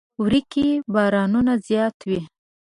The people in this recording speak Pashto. وری کې بارانونه زیات کیږي.